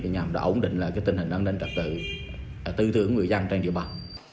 nhằm ổn định lại tình hình an ninh trật tự tư thưởng người dân trên địa bàn